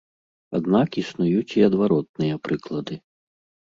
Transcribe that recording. Аднак існуюць і адваротныя прыклады.